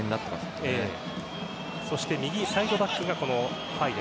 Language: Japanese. そして右サイドバックがファイ。